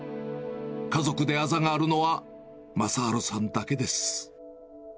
家族であざがあるのは雅治さんだけです。